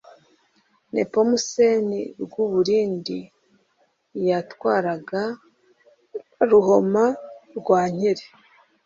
Nepomuseni Rwaburindi yatwaraga BuhomaRwankeri